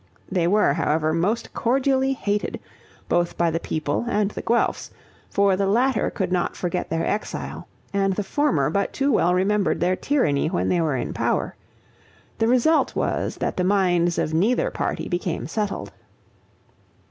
They were, however, most cordially hated, both by the people and the Guelphs, for the latter could not forget their exile, and the former but too well remembered their tyranny when they were in power; the result was, that the minds of neither party became settled.